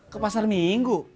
ke pasar minggu